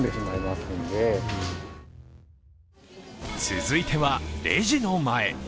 続いては、レジの前。